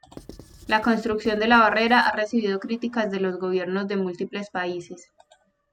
La construcción de la Barrera ha recibido críticas de los gobiernos de múltiples países.